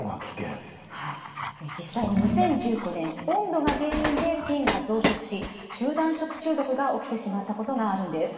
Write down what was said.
実際に２０１９年温度が原因で菌が増殖し集団食中毒が起きてしまったことがあるんです。